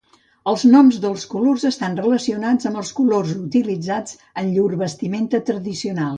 Els noms dels colors estan relacionats amb colors utilitzats en llur vestimenta tradicional.